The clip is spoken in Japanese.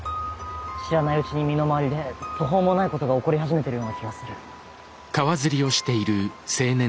知らないうちに身の回りで途方もないことが起こり始めてるような気がする。